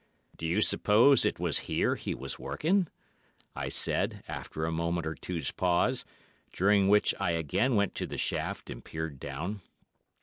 "'Do you suppose it was here he was working?' I said, after a moment or two's pause, during which I again went to the shaft and peered down.